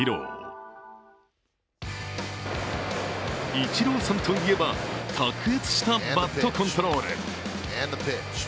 イチローさんといえば卓越したバットコントロール。